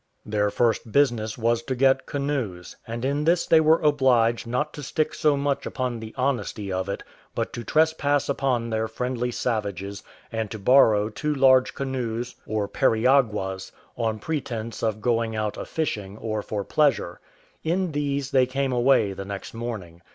Their first business was to get canoes; and in this they were obliged not to stick so much upon the honesty of it, but to trespass upon their friendly savages, and to borrow two large canoes, or periaguas, on pretence of going out a fishing, or for pleasure. In these they came away the next morning.